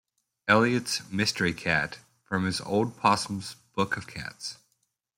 Eliot's "mystery cat", from his "Old Possum's Book of Cats".